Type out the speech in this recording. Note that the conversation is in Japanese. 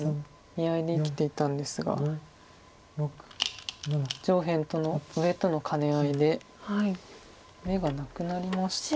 見合いで生きていたんですが上辺との上との兼ね合いで眼がなくなりました。